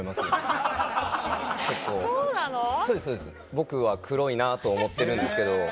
僕は黒いなと思ってるんですけど。